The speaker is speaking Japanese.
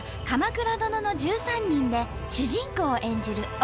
「鎌倉殿の１３人」で主人公を演じる